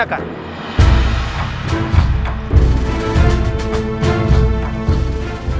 akan ikut denganku